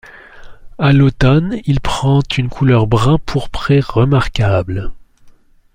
À l'automne il prend une couleur brun pourpré remarquable.